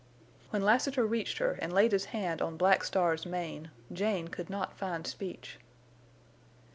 When Lassiter reached her and laid his hand on Black Star's mane, Jane could not find speech.